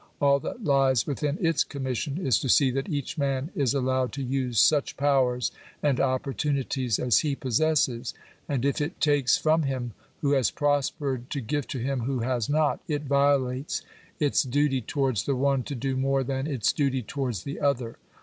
All that lies within its commission is to see that each man is allowed to use such powers and opportunities as he possesses ; and if it takes from him who has prospered to give to him who has not, it violates its duty towards the one to do more than its duty towards the other.